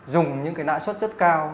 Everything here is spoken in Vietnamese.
dùng những lãi suất rất cao